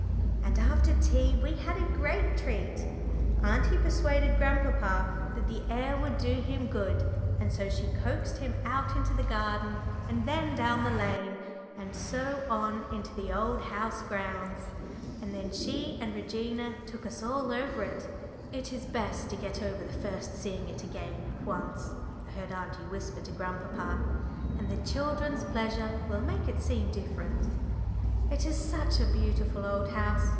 And after tea we had a great treat. Auntie persuaded grandpapa that the air would do him good, and so she coaxed him out into the garden and then down the lane, and so on into the Old House grounds. And then she and Regina took us all over it "It is best to get over the first seeing it again at once," I heard auntie whisper to grandpapa, "and the children's pleasure will make it seem different." It is such a beautiful old house.